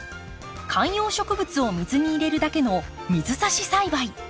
観葉植物を水に入れるだけの水挿し栽培。